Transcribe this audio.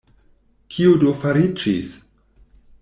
Kio do fariĝis?